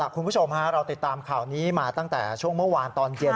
คุณผู้ชมเราติดตามข่าวนี้มาตั้งแต่ช่วงเมื่อวานตอนเย็น